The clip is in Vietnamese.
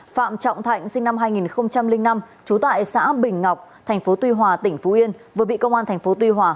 phạm trọng thạnh sinh năm hai nghìn năm trú tại xã bình ngọc thành phố tuy hòa tỉnh phú yên vừa bị công an tp tuy hòa